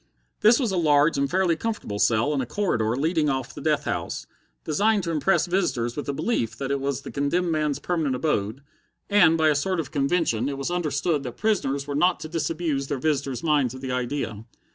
This was a large and fairly comfortable cell in a corridor leading off the death house, designed to impress visitors with the belief that it was the condemned man's permanent abode; and, by a sort of convention, it was understood that prisoners were not to disabuse their visitors' minds of the idea.